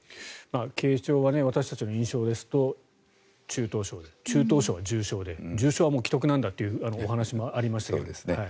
軽症は私たちの印象ですと中等症であるけど中等症は重症で重症というのは危篤なんだというお話もありましたけど。